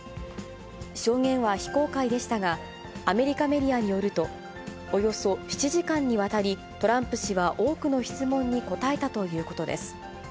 証言は非公開でしたが、アメリカメディアによると、およそ７時間にわたり、トランプ氏は多くの質問に答えたということです。